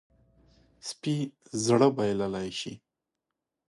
سپي زړه بایللی شي.